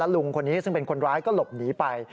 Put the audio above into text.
ลุงคนนี้ซึ่งเป็นคนร้ายก็หลบหนีไป